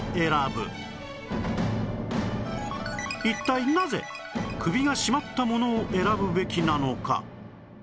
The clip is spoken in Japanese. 一体なぜ首が締まったものを選ぶべきなのか？